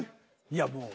いやもう。